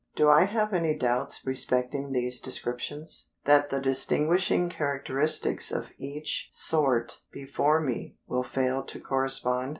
Do I have any doubts respecting these descriptions that the distinguishing characteristics of each sort before me will fail to correspond?